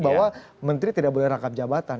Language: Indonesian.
bahwa menteri tidak boleh rangkap jabatan